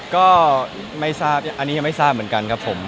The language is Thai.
ก็ไม่ทราบอันนี้ยังไม่ทราบเหมือนกันครับผม